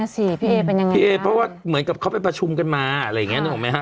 ใช่ไม่ต้องตัวถามพี่เอเพราะว่าเหมือนกับเข้าไปประชุมกันมาอะไรอย่างเงี้ยนึกออกมั้ยฮะ